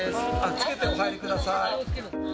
着けてお入りください。